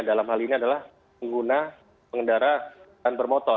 dalam hal ini adalah pengguna pengendara dan bermotor